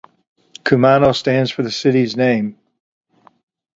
"Kumano" stands for the city's name.